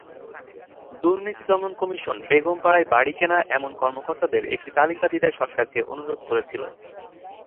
দুর্নীতি দমন কমিশন বেগম পাড়ায় বাড়ি কেনা এমন কর্মকর্তাদের একটি তালিকা দিতে সরকারকে অনুরোধ করেছিল।